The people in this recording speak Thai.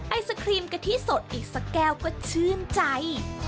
ไอศครีมกะทิสดอีกสักแก้วก็ชื่นใจ